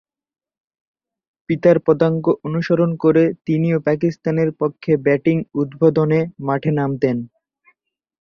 পিতার পদাঙ্ক অনুসরণ করে তিনিও পাকিস্তানের পক্ষে ব্যাটিং উদ্বোধনে মাঠে নামতেন।